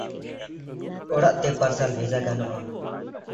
ᱚᱲᱟᱜ ᱛᱮ ᱯᱟᱨᱥᱟᱹᱞ ᱵᱷᱮᱡᱟ ᱜᱟᱱᱚᱜ-ᱟ ᱾